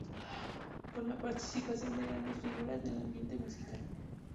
Con la participación de grandes figuras del ambiente musical.